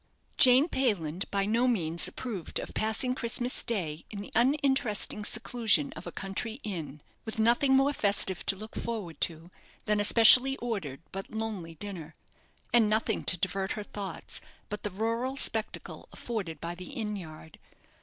Jane Payland by no means approved of passing Christmas day in the uninteresting seclusion of a country inn, with nothing more festive to look forward to than a specially ordered, but lonely dinner, and nothing to divert her thoughts but the rural spectacle afforded by the inn yard.